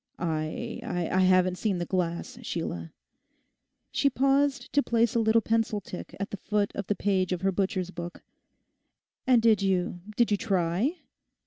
'I—I haven't seen the glass, Sheila.' She paused to place a little pencil tick at the foot of the page of her butcher's book. 'And did you—did you try?